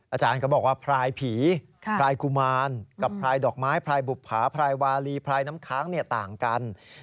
อาจารย์ก็บอกว่าพรายผีพรายกุมารกับพลายดอกไม้พลายบุภาพรายวาลีพลายน้ำค้างต่างกัน